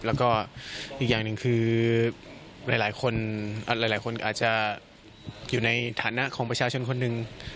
แล้วก็อีกอย่างหนึ่งคือหลายคนหลายคนอาจจะอยู่ในฐานะของประชาชนคนหนึ่ง